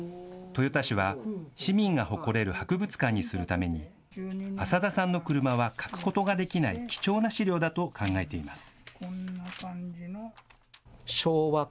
豊田市は市民が誇れる博物館にするために、浅田さんの車は欠くことができない貴重な資料だと考えています。